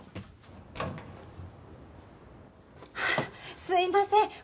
あっすいません。